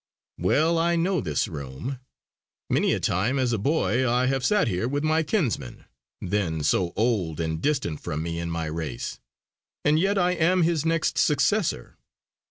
Well I know this room. Many a time as a boy I have sat here with my kinsman, then so old and distant from me in my race; and yet I am his next successor.